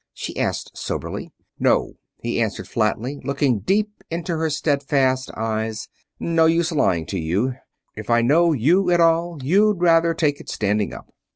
she asked soberly. "No," he answered flatly, looking deep into her steadfast eyes. "No use lying to you if I know you at all you'd rather take it standing up.